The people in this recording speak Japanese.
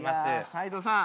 斎藤さん。